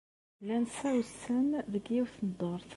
Llan sa wussan deg yiwet n dduṛt.